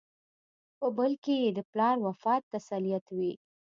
په بل کې یې د پلار وفات تسلیت وي.